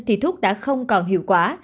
thì thuốc đã không còn hiệu quả